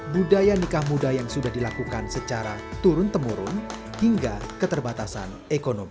budaya nikah muda yang sudah dilakukan secara turun temurun hingga keterbatasan ekonomi